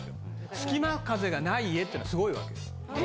隙間風がない家っていうのはすごいわけです。